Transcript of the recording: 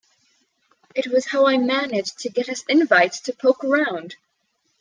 It was how I managed to get us invites to poke around.